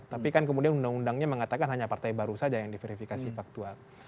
tapi kan kemudian undang undangnya mengatakan hanya partai baru saja yang diverifikasi faktual